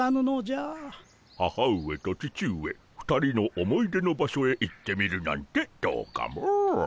母上と父上２人の思い出の場所へ行ってみるなんてどうかモ？